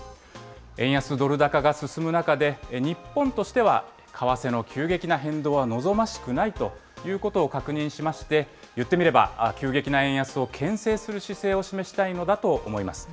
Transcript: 円安ドル高が進む中で、日本としては、為替の急激な変動は望ましくないということを確認しまして、言ってみれば急激な円安をけん制する姿勢を示したいのだと思います。